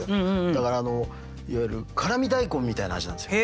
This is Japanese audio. だからいわゆる辛味大根みたいな味なんですよ。